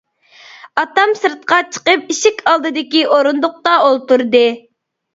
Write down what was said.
ئاتام سىرتقا چىقىپ ئىشىك ئالدىدىكى ئورۇندۇقتا ئولتۇردى.